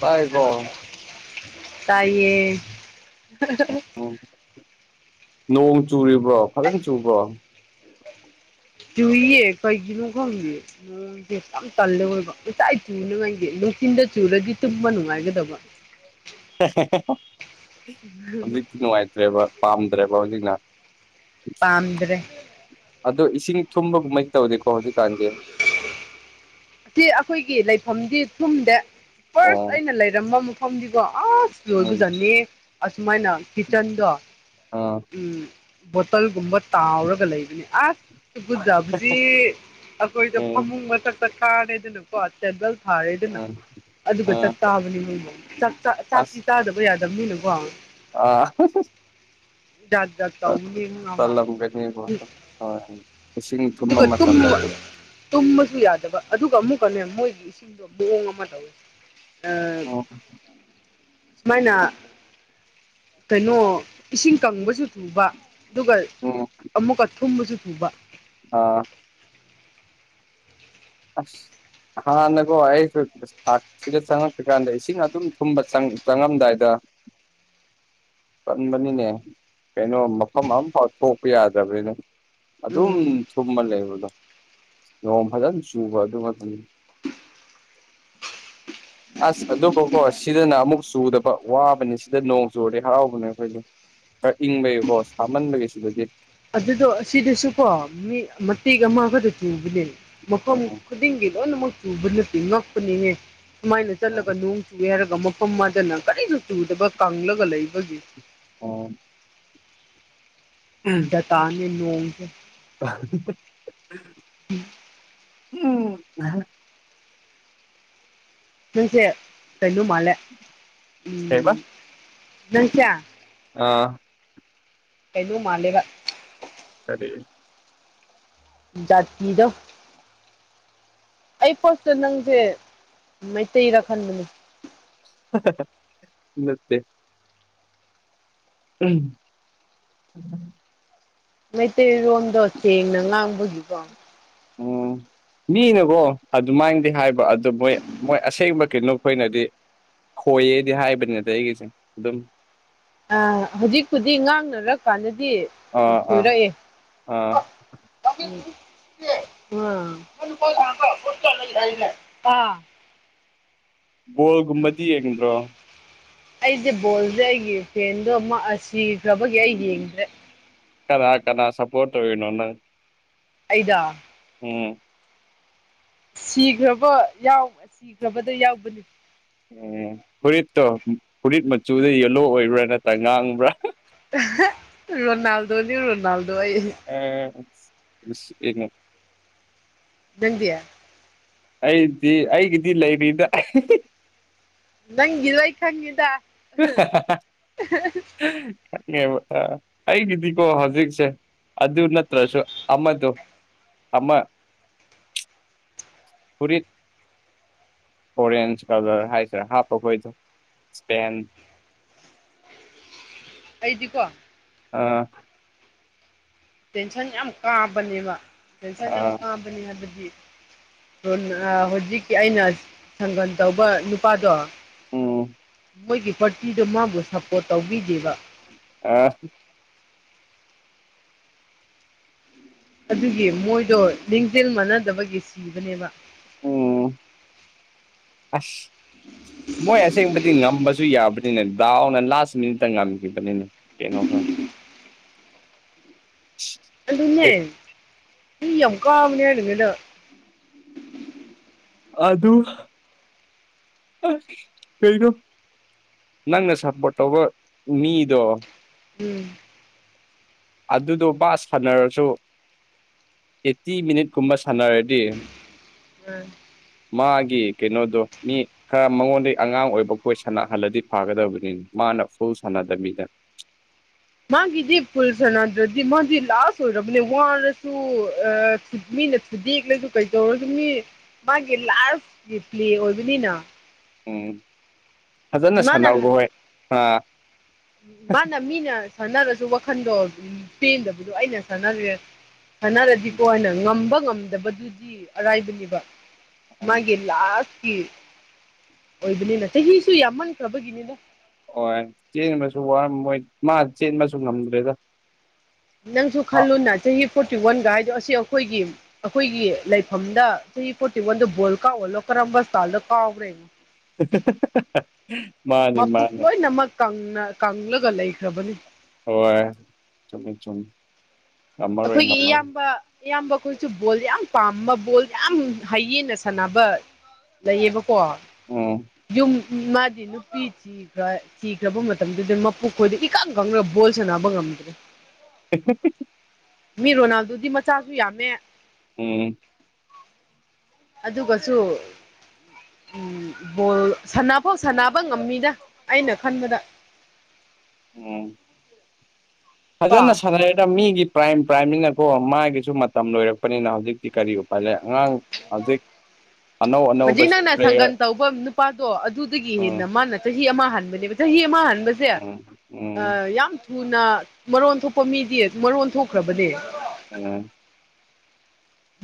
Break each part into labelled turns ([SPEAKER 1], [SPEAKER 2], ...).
[SPEAKER 1] ꯇꯥꯏꯕꯣ
[SPEAKER 2] [inaudible] ꯇꯥꯏꯌꯦ [unintelligible]
[SPEAKER 1] ꯎꯝ ꯅꯣꯡ ꯆꯨꯔꯤꯕ꯭ꯔꯣ ꯐꯖꯅ ꯆꯨꯕ꯭ꯔꯣ
[SPEAKER 2] ꯆꯨꯏꯌꯦ ꯀꯩꯒꯤꯅꫭ ꯈꯪꯗꯦ ꯅꫭꯡꯁꯦ ꯌꯥꯝ ꯇꯜꯂꯦ ꯑꯑꯣꯏꯕ ꯉꯇꯥꯏ ꯆꯨꯅꯉꯥꯏꯁꯦ ꯅꯨꯡꯊꯤꯟꯗ ꯆꯨꯔꯗꯤ ꯇꯨꯝꯕ ꯅꯨꯡꯉꯥꯏꯒꯗꯕ
[SPEAKER 1] [unintelligible] ꯍꯧꯖꯤꯛꯇꯤ ꯅꯨꯡꯉꯥꯏꯇ꯭ꯔꯦꯕ ꯄꯥꯝꯗ꯭ꯔꯦꯕ ꯍꯧꯖꯤꯛꯅ
[SPEAKER 2] ꯄꯥꯝꯗ꯭ꯔꯦ
[SPEAKER 1] ꯑꯗꯣ ꯏꯁꯤꯡ ꯊꯨꯝꯕꯒꯨ ꯃꯩ ꯇꯧꯗꯦꯀꯣ ꯍꯧꯖꯤꯛꯀꯥꯟꯗꯤ
[SPEAKER 2] ꯁꯤ ꯑꯩꯈꯣꯏꯒꯤ ꯂꯩꯐꯝꯗꯤ ꯊꯨꯝꯗꯦ ꯐꯥꯔꯁ
[SPEAKER 1] ꯑꯣ
[SPEAKER 2] ꯑꯩꯅ ꯂꯩꯔꯝꯕ ꯃꯐꯝꯗꯤꯀꯣ ꯑꯥꯁ
[SPEAKER 1] ꯎꯝ
[SPEAKER 2] ꯂꯣꯏꯕꯗꯅꯤ ꯑꯁꯨꯃꯥꯏꯅ ꯀꯤꯆꯟꯗꫭ
[SPEAKER 1] ꯑꯥ
[SPEAKER 2] ꯎꯝ ꯕꯣꯇꯜꯒꯨꯝꯕ ꯇꯥꯎꯔꯒ ꯂꯩꯕꯅꯤ ꯑꯁ ꯇꯨꯒꯠꯖꯕꯁꯤ ꯑꯈꯣꯏꯗ
[SPEAKER 1] ꯎꯝ
[SPEAKER 2] ꯐꯃꯨꯡ ꯃꯊꯛ ꯊꯥꯔꯦꯗꯅꯀꯣ ꯇꯦꯕꯜ ꯊꯥꯔꯦꯗꯅ
[SPEAKER 1] ꯎꯝ
[SPEAKER 2] ꯑꯗꯨꯒ
[SPEAKER 1] ꯑꯥ
[SPEAKER 2] ꯆꯥꯛꯆꯕꯅꯦ ꯅꯣꯏꯕꯨ
[SPEAKER 1] ꯑꯁ
[SPEAKER 2] ꯆꯥꯛ-ꯆꯥꯛꯇꯤ ꯆꯥꯗꯕ ꯌꯥꯗꯕꯅꯤꯅꯀꯣ
[SPEAKER 1] ꯑꯥ [unintelligible]
[SPEAKER 2] ꯖꯥꯠ ꯖꯥꯠ ꯇꯧꯕꯅꯦ ꯉꯥꯃ
[SPEAKER 1] ꯇꯜ-ꯇꯜꯂꯝ ꯒꯅꯤ ꯕꯣ ꯍꯣꯏ ꯏꯁꯤꯡ ꯊꯨꯝꯕ
[SPEAKER 2] ꯑꯗꯨꯒ ꯇꯨꯝꯕ
[SPEAKER 1] ꯃꯇꯝꯗꯁꯨ ꯍꫭꯏ
[SPEAKER 2] ꯇꯨꯝꯕꯁꯨ ꯌꯥꯗꯕ ꯑꯗꯨꯒ ꯑꯃꯨꯛꯀꯅꯦ ꯃꯣꯏꯒꯤ ꯏꯁꯤꯡꯗꯣ ꯃꯑꯣꯡ ꯑꯃ ꯇꯧꯋꯦ ꯑꯥ
[SPEAKER 1] ꯎꯝ
[SPEAKER 2] [unintelligible] ꯁꯨꯃꯥꯏꯅ ꯀꯩꯅꯣ ꯏꯁꯤꯡ ꯀꯪꯕꯁꯨ ꯊꯨꯕ ꯑꯗꯨꯒ
[SPEAKER 1] ꯎꯝ
[SPEAKER 2] ꯑꯃꯨꯛꯀ ꯊꯨꯝꯕꯁꯨ ꯊꯨꯕ
[SPEAKER 1] ꯑꯥ ꯑ꯭ꯁ ꯍꯥꯟꯅꯀꫭ ꯑꯩꯁꯨ ꯊꯥꯛ ꯁꯤꯒ ꯆꯪꯉꯛꯇ꯭ꯔꯤꯀꯥꯟꯗ ꯏꯁꯤꯡ ꯑꯗꯨꯝ ꯊꯨꯝꯕ ꯆꯪꯉꯝꯗꯥꯏꯗ ꯀꯟꯕꯅꯤꯅꯦ ꯀꯩꯅꯣ ꯃꯐꯝ ꯑꯃꯐꯥꯎ ꯊꯣꯛꯄ ꯌꯥꯗ꯭ꯔꯕꯅꯤꯅ ꯑꯗꯨꯝ
[SPEAKER 2] ꯎꯝ
[SPEAKER 1] ꯊꯨꯝꯃ ꯂꯩꯕꯗꯣ ꯅꯣꯡ ꯐꯖ꯭ꯅ ꯆꯨꯕ ꯑꯗꯨ ꯉꯥꯛꯇꯅꯤ [inaudible] ꯑꯁ ꯑꯗꯨꯕꯨꯀꯣ ꯁꯤꯗꯅ ꯑꯃꯨꯛ ꯆꯨꯗꯕ ꯋꯥꯕꯅꯦ ꯁꯤꯗ ꯅꯣꯡ ꯆꯨꯨꯔꯗꯤ ꯍꯔꯥꯎꯕꯅꯦ ꯑꯩꯈꯣꯏꯗꯤ ꯈꯔꯥ ꯏꯪꯕꯩꯒꯤꯕꯀꯣ ꯁꯥꯃꯟꯕꯒꯤ ꯁꯤꯗꯗꯤ
[SPEAKER 2] ꯑꯗꯨꯗꯣ ꯑꯁꯤꯗꯁꯨꯀꯣ ꯃꯤ ꯃꯇꯦꯛ ꯑꯃꯒꯠꯇ ꯆꯨꯕꯅꯦ ꯃꯐꯝ ꯈꯨꯗꯤꯡꯒꯤ ꯂꯣꯏꯅꯃꯛ ꯆꯨꯕ ꯅꯠꯇꯦ ꯉꯛꯄꯅꯤꯅꯦ ꯁꯨꯃꯥꯏꯅ ꯆꯠꯂꯒ ꯅꫭꯡ ꯆꯨꯑꯦ ꯍꯥꯏꯔꯒ ꯃꯐꯝ ꯑꯃꯗꯅ ꯀꯔꯤꯁꯨ ꯆꯨꯗꯕ ꯀꯪꯂꯒ ꯂꯩꯕꯒꯤ
[SPEAKER 1] ꯑꯣ ꯎꯝ
[SPEAKER 2] ꯖꯇꯥꯅꯦ ꯅꫭꯡꯁꯦ
[SPEAKER 1] [unintelligible]
[SPEAKER 2] [inaudible]
[SPEAKER 1] ꯎꯝ [unintelligible]
[SPEAKER 2] ꯅꫭꯏꯁꯦ ꯀꯩꯅꯣ ꯃꯥꯜꯂꯦ
[SPEAKER 1] ꯀꯩ ꯑꯕ
[SPEAKER 2] ꯎꯝ ꯅꯪꯁꯦ
[SPEAKER 1] ꯑꯥ
[SPEAKER 2] ꯀꯩꯅꯣ ꯃꯥꯜꯂꯦꯕ
[SPEAKER 1] ꯀꯔꯤ
[SPEAKER 2] ꯖꯥꯠꯇꯤꯗꫭ ꯑꯩ ꯐꯥꯔ꯭ꯁꯇ ꯅꯪꯁꯦ ꯃꯩꯇꯩꯔ ꯈꯟꯕꯅꯤ
[SPEAKER 1] [unintelligible] ꯅꯠꯇꯦ ꯎꯝ
[SPEAKER 2] ꯃꯩꯇꯩꯔꯣꯝꯗꯣ ꯁꯦꯡꯅ ꯉꯥꯡꯕꯒꯤꯀꯣ
[SPEAKER 1] ꯑꯣ ꯃꯤꯅꯀꯣ ꯑꯗꯨꯃꯥꯏꯅꯗꯤ ꯍꯥꯏꯕ ꯑꯗꯨꯗꯣ ꯃꯣꯏ ꯃꯣꯏ ꯑꯁꯦꯡꯕ ꯀꯩꯅꯣꯈꯣꯏꯅꯗꯤ ꯈꯣꯏꯌꯦꯗꯤ ꯍꯥꯏꯕꯅꯤ ꯅꯠꯇ ꯑꯩꯒꯤꯁꯦ ꯑꯗꯨꯝ
[SPEAKER 2] ꯑ ꯍꯧꯖꯤꯛꯄꯨꯗꯤ ꯉꯥꯡꯅꯔ ꯀꯥꯟꯗꯗꯤ
[SPEAKER 1] ꯑꯥ ꯑꯥ
[SPEAKER 2] ꯈꯣꯏꯔꯛꯑꯦ
[SPEAKER 1] ꯑꯥ
[SPEAKER 2] ꯑꯥ
[SPEAKER 1] ꯕꯣꯜꯒꯨꯝꯕꯗꯤ ꯌꯦꯡꯗ꯭ꯔꯣ
[SPEAKER 2] ꯑꯩꯁꯦ ꯕꯣꯜꯁꯦ ꯑꯩꯒꯤ ꯐ꯭ꯔꯦꯟꯗꯣ ꯑꯃꯨꯛ ꯁꯤꯈ꯭ꯔꯕꯒꯤ ꯑꯩ ꯌꯦꯡꯗ꯭ꯔꯦ
[SPEAKER 1] ꯀꯅꯥ ꯀꯅꯥ ꯁꯄꯣꯔ ꯇꯧꯅꯣꯅ
[SPEAKER 2] ꯑꯩꯗ
[SPEAKER 1] ꯎꯝ
[SPEAKER 2] ꯁꯤꯈ꯭ꯔꯕ ꯁꯤꯈ꯭ꯔꯕꯗꯣ ꯌꯥꯎꯕꯅꯤ
[SPEAKER 1] ꯎꯝ ꯐꯨꯔꯤꯠꯇꯣ ꯐꯨꯔꯤꯠ ꯃꯆꯨꯗ ꯌꯦꯂꯣ ꯑꯣꯏꯕ꯭ꯔꯥ ꯅꯠꯇ꯭ꯔꯥ ꯉꯥꯡꯉꯕ꯭ꯔꯥ
[SPEAKER 2] ꯔꯣꯅꯥꯜꯗꯣꯅꯤ ꯔꯣꯅꯥꯜꯗꯣ
[SPEAKER 1] ꯑ ꯌꯦ
[SPEAKER 2] ꯅꯪꯕꯤꯌꯥ
[SPEAKER 1] ꯑꯩꯗꯤ ꯑꯩꯒꯤꯗꯤ ꯂꯩꯔꯤꯗ
[SPEAKER 2] ꯅꯪ ꯂꯏ ꯈꯪꯉꯗ
[SPEAKER 1] [inaudible] ꯪꯉꯦꯕ ꯑꯩꯒꯤꯗꯤꯀꯣ ꯍꯧꯖꯤꯛꯁꯦ ꯑꯗꯨ ꯅꯠꯇ꯭ꯔꯁꯨ ꯑꯃꯗꯣ ꯑꯃ ꯐꯨꯔꯤꯠ ꯑꯣꯔꯦꯟꯖ ꯀꯂꯔ ꯍꯥꯏꯁꯤꯔꯥ ꯍꯥꯞꯄꯈꯣꯏꯗꯣ ꯄꯦꯟ
[SPEAKER 2] ꯑꯩꯗꯤꯀꯣ
[SPEAKER 1] ꯑꯥ
[SPEAKER 2] ꯇꯦꯟꯁꯟ ꯌꯥꯝ ꯀꯥꯕꯅꯦꯕ ꯇꯦꯟꯁꯟ ꯌꯥꯝ
[SPEAKER 1] ꯑꯥ
[SPEAKER 2] ꯀꯥꯕꯅꯦ ꯍꯥꯏꯕꯗꯤ ꯍꯧꯖꯤꯛꯀꯤ ꯑꯩꯅ ꯁꯪꯒꯟ ꯇꯧꯕ ꯅꯨꯄꯥꯗꯣ
[SPEAKER 1] ꯑꯣ
[SPEAKER 2] ꯃꯣꯏꯒꯤ ꯄꯥꯔꯇꯤꯗ ꯃꯥꯕꯨ ꯁꯞꯄꯣꯔꯠ ꯇꯧꯕꯤꯗꯦꯕ
[SPEAKER 1] ꯑ
[SPEAKER 2] ꯑꯗꯨꯒꯤ ꯃꯣꯏꯗꯣ ꯂꯤꯡꯖꯦꯜ ꯃꯥꯟꯅꯗꯕꯒꯤ ꯁꯤꯕꯅꯦꯕ
[SPEAKER 1] ꯎꯝ ꯑꯁ ꯃꯣꯏ ꯑꯁꯦꯡꯕꯗꯤ ꯉꯝꯕꯁꯨ ꯌꯥꯕꯅꯤꯅ ꯗꯥꯅ ꯂꯥꯁ ꯃꯤꯅꯤꯠꯇ ꯉꯝꯈꯤꯕꯅꯤꯅꯦ ꯀꯩꯅꯣꯈꯣꯏꯅ
[SPEAKER 2] ꯑꯗꯨ ꯑꯗꯨꯟꯅꯦ ꯅ ꯌꯥꯝ ꯀꯥꯃꯅꯤ ꯍꯥꯏꯔꯗ
[SPEAKER 1] ꯑ ꯑꯗꯨ ꯀꯩꯅꯣ ꯅꯪꯅ ꯁꯞꯄꯣꯔꯠ ꯇꯧꯕ ꯃꯤꯗꯣ
[SPEAKER 2] ꯎꯝ
[SPEAKER 1] ꯑꯗꯨꯗꯣ ꯕꯥ ꯁꯥꯟꯅꯔꯁꯨ ꯑꯦꯠꯇꯤ ꯃꯤꯅꯤꯠꯀꯨꯝꯕ ꯁꯥꯟꯅꯔꯗꯤ
[SPEAKER 2] ꯎꯝ
[SPEAKER 1] ꯃꯥꯒꯤ ꯀꯩꯅꯣꯗꯣ ꯃꯤ ꯈꯔ ꯃꯉꯣꯟꯗꯒꯤꯩ ꯑꯉꯥꯡ ꯑꯣꯏꯕ ꯀꯣꯏ ꯁꯥꯟꯅꯍꯜꯂꯗꯤ ꯐꯥꯒꯗꯕꯅꯤꯅ ꯃꯥꯅ ꯐꯨꯜ ꯁꯥꯟꯅꯗꯕꯕꯤꯗꯅ
[SPEAKER 2] ꯃꯥꯒꯤꯗꯤ ꯄꯨꯜꯁꯅꯗ꯭ꯔꯗꯤ ꯃꯥꯗꯤ ꯂꯥꯁ ꯑꯣꯏꯔꯕꯅꯦ ꯋꯥꯔꯁꯨ ꯃꯤꯅ ꯈꯨꯗꯦꯛꯂꯁꯨ ꯀꯩꯗꯧꯔꯁꯨ ꯃꯤ ꯃꯥꯒꯤ ꯂꯥꯏꯐꯀꯤ ꯄ꯭ꯂꯦ ꯑꯣꯏꯕꯅꯤꯅ
[SPEAKER 1] ꯎꯝ ꯐꯖꯅ
[SPEAKER 2] ꯃꯥꯅ
[SPEAKER 1] ꯁꯥꯟꯅꯕꯕ ꯍꯣꯏ ꯑ
[SPEAKER 2] ꯃꯥꯅ ꯃꯤꯅ ꯁꯥꯟꯅꯔꯁꯨ ꯋꯥꯈꯟꯗꯣ ꯄꯟꯗꯕꯨꯗꯨ ꯑꯩꯅ ꯁꯅꯦ ꯁꯥꯟꯅꯔꯗꯤꯀꯣ ꯍꯥꯏꯅ ꯉꯝꯕ ꯉꯝꯗꯕꯗꯨꯗꯤ ꯑꯔꯥꯏꯕꯅꯦꯕ
[SPEAKER 1] ꯎꯝ
[SPEAKER 2] ꯃꯥꯒꯤ ꯂꯥꯁꯀꯤ ꯑꯣꯏꯕꯅꯤꯅ ꯆꯍꯤꯁꯨ ꯌꯥꯝꯃꯟꯈ꯭ꯔꯕꯒꯤꯅꯤꯅ
[SPEAKER 1] ꯍꯣꯏ ꯆꯦꯟꯕꯁꯨ ꯋꯥꯔꯝꯃꯣꯏ ꯃꯥ ꯆꯦꯟꯕꯁꯨ ꯉꯝꯗ꯭ꯔꯦꯗ
[SPEAKER 2] ꯅꯪꯁꯨ ꯈꯜꯂꯨꯅ ꯆꯍꯤ ꯐꯣꯔꯇꯤ ꯋꯥꯟꯒ ꯍꯥꯏꯗꯣ ꯑꯁꯤ ꯑꯩꯈꯣꯏꯒꯤ ꯑꯩꯈꯣꯏꯒꯤ ꯂꯩꯐꯝꯗ ꯆꯍꯤ ꯄꯣꯇꯤꯃꯣꯟꯗ ꯕꯣꯜ ꯀꯥꯎꯍꯜꯂꯣ ꯀꯔꯝꯕ ꯏꯁꯇꯥꯏꯜꯗ ꯀꯥꯎꯈ꯭ꯔꯦ ꯌꯦꯡꯉꫭ
[SPEAKER 1] [unintelligible]
[SPEAKER 2] ꯃꯄꯨꯛ
[SPEAKER 1] ꯃꯥꯅꯤ
[SPEAKER 2] ꯂꯣꯏꯅꯃꯛ ꯀꯪꯅ ꯀꯪꯂꯒ ꯂꯩꯈ꯭ꯔꯕꯅꯤ
[SPEAKER 1] ꯍꫭꯏ ꯆꯨꯝꯃꯤ ꯆꯨꯝꯃꯤ ꯉꯝꯃꯔꯣꯏ
[SPEAKER 2] ꯑꯩꯈꯣꯏꯒꯤ
[SPEAKER 1] ꯉꯝꯃꯔꯣꯏ
[SPEAKER 2] ꯏꯌꯥꯝꯕ ꯑꯌꯥꯝꯕ ꯑꯩꯈꯣꯏꯁꯨ ꯕꯣꯜ ꯌꯥꯝ ꯄꯥꯝꯕ ꯕꯣꯜ ꯌꯥꯝ ꯍꯌꯦꯟꯅ ꯁꯥꯟꯅꯕ ꯂꯩꯌꯦꯕꯀꯣ
[SPEAKER 1] ꯎꯝ
[SPEAKER 2] ꯌꯨꯝ ꯃꯥꯗꯤ ꯅꯨꯄꯤ ꯊꯤ ꯊꯤꯈ꯭ꯔ ꯊꯤꯈ꯭ꯔꯕ ꯃꯇꯝꯗꯨꯗꯤ ꯃꯄꯨꯛ ꯈꯣꯏꯗꯤ ꯏꯀꯪ ꯀꯪꯔꯒ ꯕꯣꯜ ꯁꯥꯟꯅꯕ ꯉꯝꯗ꯭ꯔꯦ
[SPEAKER 1] [unintelligible]
[SPEAKER 2] ꯃꯤ ꯔꯣꯅꯥꯜꯗꯨꯗꯤ ꯃꯆꯥꯁꯨ ꯌꯥꯝꯃꯦ
[SPEAKER 1] ꯎꯝ
[SPEAKER 2] ꯑꯗꯨꯒꯁꯨ ꯎꯝ ꯕꯣꯜ ꯁꯐꯥꯎ ꯁꯅꯕ ꯉꯝꯃꯤꯗ ꯑꯩꯅ ꯈꯟꯕꯗ
[SPEAKER 1] ꯎꯝ
[SPEAKER 2] ꯀꯣ
[SPEAKER 1] ꯐꯖꯅ ꯁꯥꯟꯅꯔꯦꯗ ꯃꯤꯒꯤ ꯄ꯭ꯔꯥꯏꯝ ꯄ꯭ꯔꯥꯏꯝꯅꯤꯅꯀꯣ ꯃꯥꯒꯤꯁꯨ ꯃꯇꯝ ꯂꯣꯏꯔꯛꯄꯅꯤꯅ ꯍꯧꯖꯤꯛꯇꯤ ꯀꯔꯤ ꯎꯄꯥꯏ ꯂꯩ ꯑꯉꯥꯡ ꯍꯧꯖꯤꯛ ꯑꯅꯧ ꯑꯅꯧꯕ
[SPEAKER 2] ꯍꯧꯖꯤꯛ ꯅꯪꯅ
[SPEAKER 1] ꯄ꯭ꯂꯦꯌꯔ
[SPEAKER 2] ꯁꯪꯒꯟ ꯇꯧꯕ ꯅꯨꯄꯥꯗꯣ ꯑꯗꯨꯗꯒꯤ
[SPEAKER 1] ꯎꯝ
[SPEAKER 2] ꯍꯦꯟꯅ ꯃꯥꯅ ꯆꯍꯤ ꯑꯃ ꯍꯥꯟꯕꯅꯦꯕ ꯆꯍꯤ ꯑꯃ ꯍꯥꯟꯕꯁꯦ
[SPEAKER 1] ꯎꯝ ꯎꯝ
[SPEAKER 2] ꯌꯥꯝ ꯊꯨꯅ ꯃꯔꯣꯟ ꯊꯣꯛꯄ ꯃꯤꯗꯤ ꯃꯔꯣꯟ ꯊꯣꯛꯈ꯭ꯔꯕꯅꯦ
[SPEAKER 1] ꯎꯝ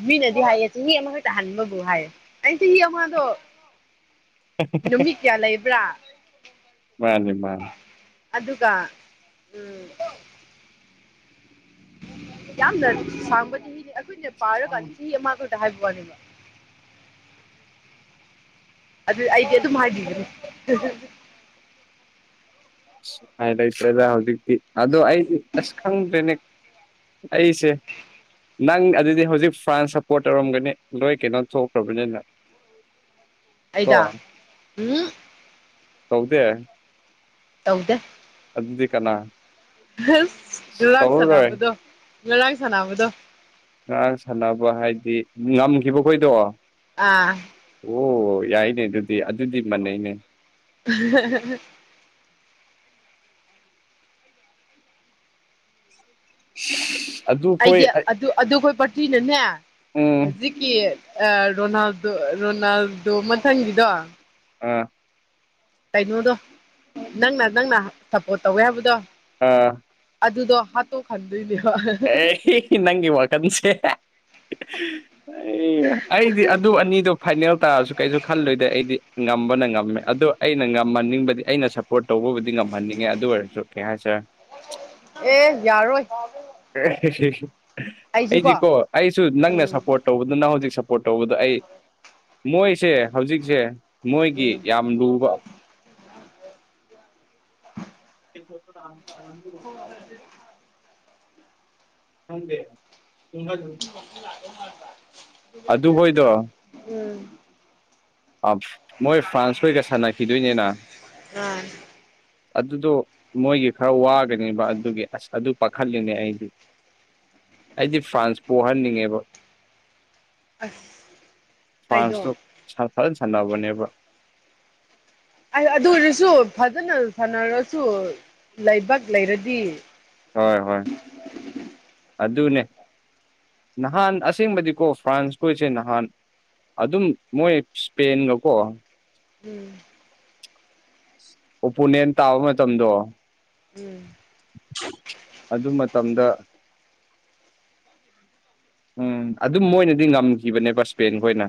[SPEAKER 2] ꯃꯤꯅꯗꯤ ꯍꯥꯏꯌꯦ ꯆꯍꯤ ꯑꯃꯈꯛꯇ ꯍꯟꯕꯕꯨ ꯍꯥꯏꯌꯦ ꯑ ꯆꯍꯤ ꯑꯃꯗꯣ ꯅꯨꯃꯤꯠ ꯀꯌꯥ ꯂꯩꯕ꯭ꯔꯥ
[SPEAKER 1] ꯃꯥꯅꯦ ꯃꯥꯅꯦ
[SPEAKER 2] ꯑꯗꯨꯒ ꯎꯝ ꯌꯥꯝꯅ ꯁꯥꯡꯕ ꯆꯍꯤꯅꯤ ꯑꯩꯈꯣꯏꯅ ꯄꯥꯔꯀꯥꯟꯗ ꯆꯍꯤ ꯑꯃꯈꯗ ꯍꯥꯏꯕ ꯋꯥꯅꯦꯕ ꯑꯗꯨ ꯑꯩꯗꯤ ꯑꯗꯨꯝ ꯍꯥꯏꯕꯤꯒꯅꯤ
[SPEAKER 1] ꯎꯄꯥꯏ ꯂꯩꯇ꯭ꯔꯦꯗ ꯍꯧꯖꯤꯛꯇꯤ ꯑꯗꯣ ꯑꯩꯗꯤ ꯑꯁ ꯈꯪꯗ꯭ꯔꯦꯅꯦ ꯑꯩꯁꯦ ꯅꯪ ꯑꯗꯨꯗꯤ ꯍꯧꯖꯤꯛ ꯐ꯭ꯔꯥꯟꯁ ꯁꯞꯄꯣꯔꯠ ꯇꯧꯔꯝꯒꯅꯤ ꯂꯣꯏ ꯀꯩꯅꯣ ꯊꯣꯛꯇ꯭ꯔꯕꯅꯤꯅꯪ
[SPEAKER 2] ꯑꯩꯗ ꯎꯝ
[SPEAKER 1] ꯇꯧꯗꯦ
[SPEAKER 2] ꯇꯧꯗꯦ
[SPEAKER 1] ꯑꯗꯨꯗꯤ ꯀꯅꯥ
[SPEAKER 2] [unintelligible] ꯉꯔꯥꯡ
[SPEAKER 1] ꯇꯧꯔꯔꯣꯏ
[SPEAKER 2] ꯁꯅꯥꯕꯗꯣ ꯉꯔꯥꯡ ꯁꯅꯥꯕꯗꯣ
[SPEAKER 1] ꯉꯔꯥꯡ ꯁꯥꯟꯅꯕ ꯍꯥꯏꯗꯤ ꯉꯝꯈꯤꯕ ꯈꯣꯏꯗꯣ
[SPEAKER 2] ꯑꯥ
[SPEAKER 1] ꯑꯣ ꯌꯥꯏꯅꯦ ꯑꯗꯨꯗꯤ ꯑꯗꯨꯗꯤ ꯃꯥꯟꯅꯩꯅꯦ
[SPEAKER 2] [unintelligible]
[SPEAKER 1] [unintelligible]
[SPEAKER 2] ꯑꯩꯗꯤ ꯑꯗꯨ ꯑꯗꯨꯈꯣꯏ ꯄꯔꯇ꯭ꯔꯤꯅꯅꯦ
[SPEAKER 1] ꯎꯝ
[SPEAKER 2] ꯍꯧꯖꯤꯛ ꯔꯣꯅꯥꯜꯗꯣ ꯔꯣꯅꯥꯜꯗꯣ ꯃꯊꯪꯒꯤꯗꯣ
[SPEAKER 1] ꯑ
[SPEAKER 2] ꯀꯩꯅꯣꯗꯣ ꯅꯪꯅ ꯅꯪꯅ ꯁꯞꯄꯣꯔꯠ ꯇꯧꯋꯦ ꯍꯥꯏꯕꯗꯣ
[SPEAKER 1] ꯑꯥ
[SPEAKER 2] ꯑꯗꯨꯗꯣ ꯍꯥꯠꯇꯣꯛ ꯈꯟꯗꯣꯏꯅꯦꯕ
[SPEAKER 1] ꯑꯦ ꯅꯪꯒꯤ ꯋꯥꯈꯟꯁꯦ [unintelligible] ꯑꯩꯗꯤ ꯑꯗꯨ ꯑꯅꯤꯗꯣ ꯐꯥꯏꯅꯦꯜ ꯇꯥꯔꯁꯨ ꯀꯩꯁꯨ ꯈꯜꯂꯨꯗꯦ ꯑꯩꯗꯤ ꯉꯝꯕꯅ ꯉꯝꯃꯦ ꯑꯗꯣ ꯑꯩꯅ ꯉꯝꯃꯟꯅꯤꯡꯕꯗꯤ ꯑꯩꯅ ꯁ ꯁꯄꯣꯔꯠ ꯇꯧꯕꯕꯨꯗꯤ ꯉꯝꯍꯟꯅꯤꯡꯉꯦ ꯑꯗꯨ ꯑꯣꯏꯔꯁꯨ ꯀꯩ ꯍꯥꯏꯔꯦ
[SPEAKER 2] ꯑꯦ ꯌꯥꯔꯣꯏ ꯑꯩꯁꯦꯀꯣ
[SPEAKER 1] ꯑꯩꯗꯤꯀꯣ ꯑꯩꯁꯨ ꯅꯪꯅ
[SPEAKER 2] ꯎꯝ
[SPEAKER 1] ꯁꯞꯄꯣꯔꯠ ꯇꯧꯕꯗꯨꯅ ꯍꯧꯖꯤꯛ ꯄꯣꯔꯠ ꯇꯧꯕꯗ ꯑꯩ ꯃꯣꯏꯁꯦ ꯍꯧꯖꯤꯛꯁꯦ ꯃꯣꯏꯒꯤ
[SPEAKER 2] ꯎꯝ
[SPEAKER 1] ꯌꯥꯝ ꯂꯨꯕ [unintelligible]
[SPEAKER 2] ꯍ ꯑꯗꯨ ꯑꯗꯨ
[SPEAKER 1] ꯍꯪꯗꯦ ꯏ ꯎ
[SPEAKER 2] ꯃ
[SPEAKER 1] ꯑꯗꯨ ꯍꯣꯏꯗꯣ
[SPEAKER 2] ꯎꯝ
[SPEAKER 1] ꯃꯣꯏ ꯐ꯭ꯔꯥꯟꯁ ꯈꯣꯏꯒ ꯁꯥꯟꯅꯈꯤꯗꯣꯏꯅꯦꯅ
[SPEAKER 2] ꯑꯥ
[SPEAKER 1] ꯑꯗꯨꯗꯣ ꯃꯣꯏꯒꯤ ꯈꯔ ꯋꯥꯒꯅꯦꯕ ꯑꯗꯨꯒꯤ ꯑꯁ ꯑꯗꯨ ꯄꯥꯈꯠꯂꯤꯅꯦ ꯑꯩꯗꯤ ꯑꯩꯗꯤ ꯐ꯭ꯔꯥꯟꯁ ꯄꯣꯛꯍꯟꯅꯤꯡꯉꯦꯕ
[SPEAKER 2] ꯑꯁ ꯑꯩꯗꯣ
[SPEAKER 1] ꯐ꯭ꯔꯥꯟꯁꯇꯣ ꯐꯖꯅ ꯁꯥꯟꯅꯕꯅꯦꯕ
[SPEAKER 2] ꯑꯗꯨ ꯑꯣꯏꯔꯁꯨ ꯐꯖꯅ ꯁꯥꯟꯅꯔꯁꯨ ꯂꯥꯏꯕꯛ ꯂꯩꯔꯗꯤ
[SPEAKER 1] ꯍꯣꯏ ꯍꯣꯏ ꯑꯗꯨꯅꯦ ꯅꯍꯥꯟ ꯑꯁꯦꯡꯕꯗꯤꯀꯣ ꯐ꯭ꯔꯥꯟꯁꯈꯣꯏꯁꯦ ꯅꯍꯥꯟ ꯑꯗꯨꯝ ꯃꯣꯏ ꯏꯁꯄꯦꯟꯒꯀꯣ
[SPEAKER 2] ꯎꯝ
[SPEAKER 1] ꯎꯄꯨꯅꯦꯦꯟ ꯇꯥꯕ ꯃꯇꯝꯗꯣ
[SPEAKER 2] ꯎꯝ
[SPEAKER 1] ꯑꯗꯨ ꯃꯇꯝꯗ ꯎꯝ ꯑꯗꯨꯝ ꯃꯣꯏꯅꯗꯤ ꯉꯝꯈꯤꯕꯅꯦꯕ ꯁ꯭ꯄꯦꯟ ꯈꯣꯏꯅ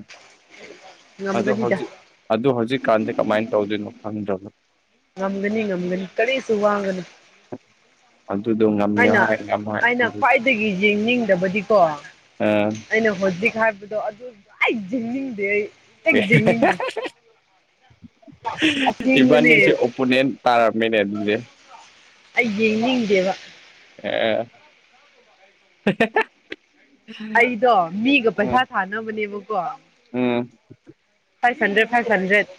[SPEAKER 1] ꯑꯗꯣ
[SPEAKER 2] ꯉꯝꯒꯅꯤꯗ
[SPEAKER 1] ꯍꯧꯖꯤꯛ ꯑꯗꯨ ꯍꯧꯖꯤꯛꯀꯥꯟꯁꯦ ꯀꯃꯥꯏꯅ ꯇꯧꯗꯣꯏꯅꯣ ꯈꯪꯗ꯭ꯔꯕꯅꯣ
[SPEAKER 2] ꯉꯝꯒꯅꯤ ꯉꯝꯒꯅꯤ ꯀꯔꯤꯁꯨ ꯋꯥꯒꯅꯤ
[SPEAKER 1] ꯑꯗꯨꯗꯣ ꯉꯝꯃꯦ
[SPEAKER 2] ꯑꯩꯅ
[SPEAKER 1] ꯍꯥꯏ ꯉꯝ ꯍꯥꯏꯁꯦ
[SPEAKER 2] ꯑꯩꯅ ꯈ꯭ꯋꯥꯏꯗꯒꯤ ꯌꯦꯡꯅꯤꯡꯗꯕꯗꯤꯀꯣ
[SPEAKER 1] ꯑ
[SPEAKER 2] ꯑꯩꯅ ꯍꯧꯖꯤꯛ ꯍꯥꯏꯕꯗꯣ ꯑꯗꯨ ꯑꯩ ꯌꯦꯤꯡꯅꯤꯡꯗꯦ ꯑꯩ ꯍꯤꯡꯅꯤꯡꯗꯦ ꯑꯁꯦꯡꯕꯅꯦ
[SPEAKER 1] ꯏꯕꯥꯅꯤꯁꯦ ꯑꯣꯄꯣꯅꯦꯟ ꯇꯥꯔꯝꯃꯦꯅꯦ ꯑꯗꯨꯗꯤ
[SPEAKER 2] ꯑꯦꯅꯤꯗꯦꯕ
[SPEAKER 1] ꯑ
[SPEAKER 2] ꯑꯩꯗꯣ ꯃꯤꯒ ꯄꯩꯁꯥ
[SPEAKER 1] ꯎꯝ
[SPEAKER 2] ꯊꯥꯅꯕꯅꯦꯕꯀꯣ
[SPEAKER 1] ꯎꯝ
[SPEAKER 2] ꯐꯥꯏꯚ ꯍꯟꯗ꯭ꯔꯦꯠ ꯐꯥꯏꯚ ꯍꯟꯗ꯭ꯔꯦꯠ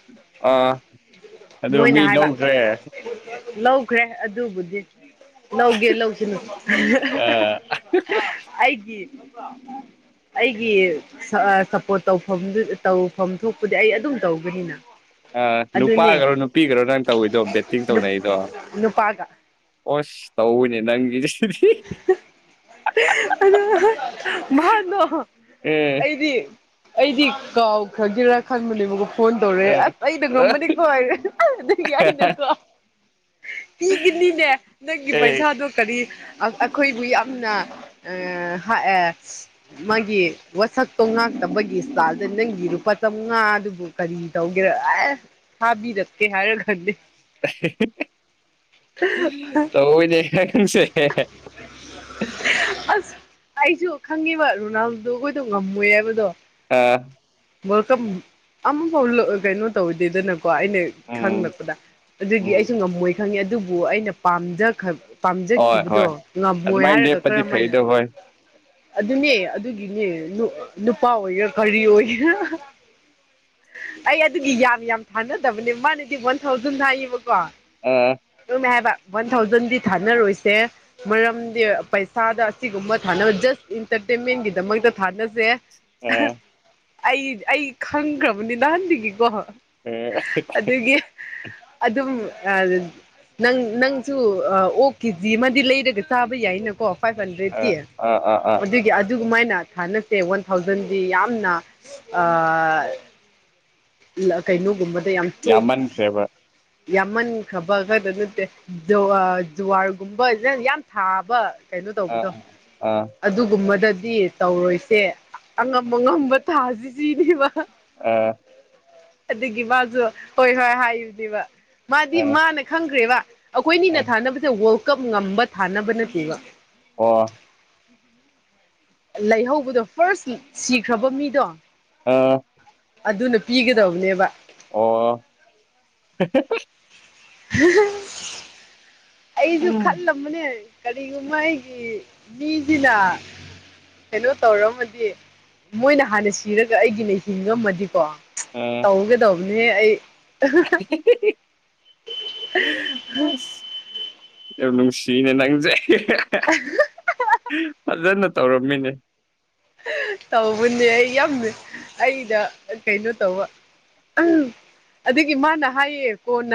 [SPEAKER 1] ꯑꯥ ꯑꯗꯨ
[SPEAKER 2] ꯅꯣꯏꯅ
[SPEAKER 1] ꯃꯤ
[SPEAKER 2] ꯍꯥꯏꯕ
[SPEAKER 1] ꯂꯧꯈ꯭ꯔꯦ
[SPEAKER 2] ꯂꯧꯈ꯭ꯔꯦ ꯑꯗꯨꯕꯨꯗꯤ ꯂꯧꯒꯦ ꯂꯧꯁꯤꯅꯨ
[SPEAKER 1] ꯑ
[SPEAKER 2] ꯑꯩꯒꯤ ꯑꯩꯒꯤ ꯁꯞꯄꯣꯔꯠ ꯇꯧꯐꯝꯗꯨ ꯇꯧ ꯐꯐꯝ ꯊꯣꯛꯄꯗꯤ ꯑꯩ ꯑꯗꯨꯝ ꯇꯧꯒꯅꯤꯅ
[SPEAKER 1] ꯑ
[SPEAKER 2] ꯑꯗꯨꯅꯦ
[SPEAKER 1] ꯅꯨꯄꯥꯒꯔꯣ ꯅꯨꯄꯤꯒꯔꯣ ꯅꯪ ꯇꯧꯋꯤꯗꯣ ꯕꯦꯠꯇꯤꯡ ꯇꯧꯅꯩꯗꯣ
[SPEAKER 2] ꯅꯨꯄꯥꯒ
[SPEAKER 1] ꯑꯣꯁ ꯇꯧꯕꯅꯦ ꯅꯪꯒꯤꯁꯤꯗꯤ
[SPEAKER 2] ꯑꯗꯨ ꯃꯍꯥꯛꯗꯣ
[SPEAKER 1] ꯑꯦ
[SPEAKER 2] ꯑꯩꯗꯤ ꯑꯩꯗꯤ ꯀꯥꯎꯈ꯭ꯔꯒꯦꯔꯥ ꯈꯟꯕꯅꯦꯕꯀꯣ ꯐꯣꯟ ꯇꯧꯔꯦ
[SPEAKER 1] ꯑ
[SPEAKER 2] ꯑꯁ ꯑꯩꯩꯅ ꯉꯝꯃꯅꯤꯀꯣ ꯍꯥꯏꯔꯦ ꯑꯗꯒꯤ ꯑꯩꯅꯀꯣ ꯄꯤꯈꯤꯅꯤꯅꯦ ꯅꯪꯒꯤ
[SPEAKER 1] ꯑꯦ
[SPEAKER 2] ꯄꯩꯁꯥꯗꯣ ꯀꯔꯤ ꯑꯩꯈꯣꯏꯕꯨ ꯌꯥꯝꯅ ꯍꯥ ꯑꯦꯠ ꯃꯥꯒꯤ ꯋꯥꯁꯛꯇꯣ ꯉꯥꯛꯇꯕꯒꯤ ꯏꯁꯇꯥꯏꯜꯗ ꯅꯪꯒꯤ ꯂꯨꯄꯥ ꯆꯃꯉꯥ ꯑꯗꯨꯕꯨ ꯀꯔꯤ ꯇꯧꯒꯦꯔ ꯑꯦ ꯊꯥꯕꯤꯔꯛꯀꯦ ꯍꯥꯏꯔ ꯈꯟꯗꯦ
[SPEAKER 1] ꯇꯣꯏꯗꯤ ꯍꯥꯏ ꯈꯪꯁꯦ ꯍ
[SPEAKER 2] ꯑꯁ ꯑꯩꯁꯨ ꯈꯪꯉꯤꯕ ꯔꯣꯅꯥꯜꯗꯗꯣ ꯀꯣꯏꯗꯣ ꯉꯝꯃꯣꯏ ꯍꯥꯏꯕꯗꯣ
[SPEAKER 1] ꯑꯥ
[SPEAKER 2] ꯋꯜꯀꯝ ꯑꯃꯐꯥꯎ ꯀꯩꯅꯣ ꯇꯧꯋꯗꯦꯗꯅꯀꯣ ꯑꯩꯅ
[SPEAKER 1] ꯎꯝ
[SPEAKER 2] ꯈꯪꯂꯛꯄꯗ ꯑꯗꯨꯒꯤ
[SPEAKER 1] ꯎꯝ
[SPEAKER 2] ꯑꯩꯁꯨ ꯉꯝꯃꯣꯏ ꯈꯪꯉꯦ ꯑꯗꯨꯕꯨ ꯑꯩꯅ ꯄꯥꯝꯖ
[SPEAKER 1] ꯍꯣꯏ ꯍꯣꯏ
[SPEAKER 2] ꯄꯥꯝꯖꯈꯤꯕꯗꯣ ꯉꯝꯃꯣꯏ
[SPEAKER 1] ꯑꯗꯨꯃꯥꯏꯅ
[SPEAKER 2] ꯍꯥꯏꯔꯒ
[SPEAKER 1] ꯂꯦꯞꯄꯗꯤ
[SPEAKER 2] ꯀꯔꯝꯃꯥꯏꯅ
[SPEAKER 1] ꯐꯩꯗꯣ ꯍꯣꯏ
[SPEAKER 2] ꯑꯗꯨꯅꯦ ꯑꯗꯨꯒꯤꯅꯦ ꯅꯨꯄꯥ ꯑꯣꯏꯒꯦꯔꯥ ꯀꯔꯤ ꯑꯣꯏꯒꯦꯔꯥ ꯑꯩ ꯑꯗꯨꯒꯤ ꯌꯥꯝ ꯌꯥꯝ ꯊꯥꯅꯗꯕꯅꯦ ꯃꯥꯅꯗꯤ ꯋꯥꯟ ꯊꯥꯎꯖꯟ ꯍꯥꯏꯌꯦꯕꯀꯣ
[SPEAKER 1] ꯑꯥ
[SPEAKER 2] ꯑꯗꯨꯨꯝꯃꯦ ꯍꯥꯏꯕ ꯋꯥꯟ ꯊꯥꯎꯖꯟꯗꯤ ꯊꯥꯅꯔꯣꯏꯁꯦ ꯃꯔꯝꯗꯤ ꯄꯩꯁꯥꯗ ꯑꯁꯤꯒꯨꯝꯕ ꯊꯥꯅꯕ ꯖꯁ ꯏꯟꯇꯔꯇꯦꯟꯃꯦꯟꯒꯤꯗꯃꯛꯇ ꯊꯥꯅꯁꯦ
[SPEAKER 1] ꯎꯝ
[SPEAKER 2] ꯑꯩ ꯑꯩ ꯈꯪꯈ꯭ꯔꯕꯅꯤ ꯅꯍꯥꯟꯗꯒꯤꯀꯣ
[SPEAKER 1] ꯑꯥ
[SPEAKER 2] ꯑꯗꯨꯒꯤ ꯑꯗꯨꯝ ꯑꯥ ꯅꯪ ꯅꯪꯁꯨ ꯑꯣꯛ ꯀꯦꯖꯤ ꯑꯃꯗꯤ ꯂꯩꯔꯒ ꯆꯥꯕ ꯌꯥꯏꯅꯀꯣ ꯐꯥꯏꯚ ꯍꯟꯗ꯭ꯔꯦꯠꯀꯤ
[SPEAKER 1] ꯑꯥ ꯑꯥ ꯑꯥ
[SPEAKER 2] ꯑꯗꯨꯒꯤ ꯑꯗꯨꯒꯃꯥꯏꯅ ꯊꯥꯅꯁꯦ ꯋꯥꯟ ꯊꯥꯎꯖꯟꯗꯤ ꯌꯥꯝꯅ ꯀꯩꯅꯣꯒꯨꯝꯕꯗ ꯌꯥꯝ ꯆꯣꯞ
[SPEAKER 1] ꯌꯥꯝꯃꯟꯈ꯭ꯔꯦꯕ
[SPEAKER 2] ꯌꯥꯝꯃꯟꯈ꯭ꯔꯕ ꯈꯗ ꯅꯠꯇꯦ ꯖꯨꯋꯥꯔꯒꯨꯝꯕ ꯌꯥꯝ ꯊꯥꯕ ꯀꯩꯅꯣ
[SPEAKER 1] ꯑꯥ
[SPEAKER 2] ꯇꯧꯕꯗꯣ
[SPEAKER 1] ꯑꯥ
[SPEAKER 2] ꯑꯗꯨꯒꯨꯝꯕꯗꯗꯤ ꯇꯧꯔꯣꯏꯁꯦ ꯑꯉꯝ ꯑꯉꯝꯕ ꯊꯥꯁꯤ ꯁꯤꯅꯦꯕ
[SPEAKER 1] ꯑꯥ
[SPEAKER 2] ꯑꯗꯨꯒꯤ ꯃꯥꯁꯨ ꯍꯣꯏ ꯍꯣꯏ ꯍꯥꯏꯕꯅꯤꯕ ꯃꯥꯗꯤ
[SPEAKER 1] ꯑꯥ
[SPEAKER 2] ꯃꯥꯅ ꯈꯪꯈ꯭ꯔꯦꯕ ꯑꯩꯈꯣꯏꯅꯤꯅ
[SPEAKER 1] ꯑꯥ
[SPEAKER 2] ꯊꯥꯅꯕꯁꯦ ꯋꯥꯔꯜ ꯀꯞ ꯉꯝꯕ ꯊꯥꯅꯕ ꯅꯠꯇꯦꯕ
[SPEAKER 1] ꯑꯣ
[SPEAKER 2] ꯂꯩꯍꯧꯕꯗꯣ ꯐꯥꯔꯁ ꯁꯤꯈ꯭ꯔꯕ ꯃꯤꯗꯣ
[SPEAKER 1] ꯑꯥ
[SPEAKER 2] ꯑꯗꯨꯅ ꯄꯤꯒꯗꯧꯕꯅꯦꯕ
[SPEAKER 1] ꯑꯣ
[SPEAKER 2] ꯑꯩꯖꯨ
[SPEAKER 1] ꯎꯝ
[SPEAKER 2] ꯈꯜꯂꯕ ꯆꯨꯝꯕꯅꯦ ꯀꯔꯤꯒꯨꯝꯕ ꯑꯩꯒꯤ ꯃꯤꯁꯤꯅ ꯀꯩꯅꯣ ꯇꯧꯔꯝꯃꯗꯤ ꯃꯣꯏꯅ ꯍꯥꯟꯅ ꯁꯤꯔꯒ ꯑꯩꯒꯤꯅ ꯍꯤꯡꯉꯝꯃꯗꯤꯀꯣ
[SPEAKER 1] ꯎꯝ
[SPEAKER 2] ꯇꯧꯒꯗꯧꯕꯅꯦꯍꯦ ꯑꯩ
[SPEAKER 1] [unintelligible] ꯌꯝ ꯅꯨꯡꯁꯤꯌꯦ ꯅꯪꯖꯦ ꯐꯖꯅ ꯇꯧꯔꯝꯃꯤꯅꯦ
[SPEAKER 2] ꯇꯧꯕꯅꯦ ꯑꯩ ꯌꯥꯝ ꯑꯩꯗ ꯀꯩꯅꯣ ꯇꯧꯕ ꯎꯝ ꯑꯗꯨꯒꯤ ꯃꯥꯅ ꯍꯥꯏꯌꯦ ꯀꯣꯅ